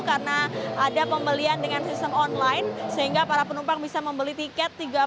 karena ada pembelian dengan sistem online sehingga para penumpang bisa membeli tiket